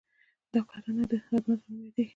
دا کړنه د خدمت په نوم یادیږي.